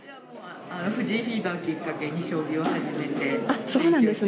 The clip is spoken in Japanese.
藤井フィーバーをきっかけに、将棋を始めて、勉強中です。